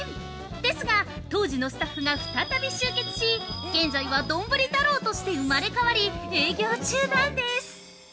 ですが、当時のスタッフが再び集結し、現在は「どんぶり太郎」として生まれ変わり営業中なんです。